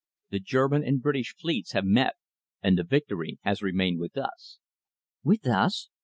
The German and British fleets have met, and the victory has remained with us." "With us?"